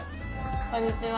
こんにちは。